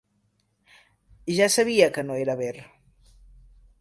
Ja sabia que no era ver.